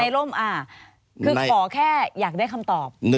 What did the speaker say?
ร่มคือขอแค่อยากได้คำตอบ